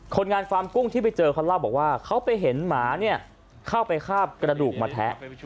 คนงานฟาร์มกุ้งที่ไปเจอเขาเล่าบอกว่าเขาไปเห็นหมาเนี่ยเข้าไปคาบกระดูกมาแทะ